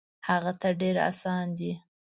هغه ته ډېر اسان دی.